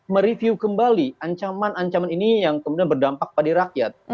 mereview kembali ancaman ancaman ini yang kemudian berdampak pada rakyat